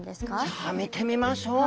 じゃあ見てみましょう。